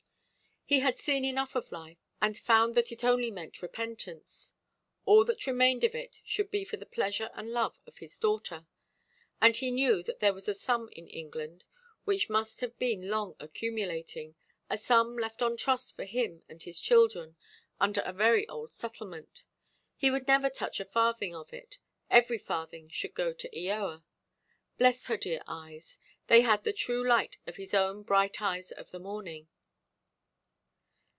He had seen enough of life, and found that it only meant repentance; all that remained of it should be for the pleasure and love of his daughter. And he knew that there was a sum in England, which must have been long accumulating—a sum left on trust for him and his children, under a very old settlement. He would never touch a farthing of it; every farthing should go to Eoa. Bless her dear eyes; they had the true light of his own Bright Eyes of the Morning.